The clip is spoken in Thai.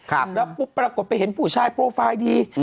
แล้วปุ๊บปรากฏไปเห็นผู้ชายโปรไฟล์ดี